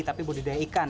tapi budidaya ikan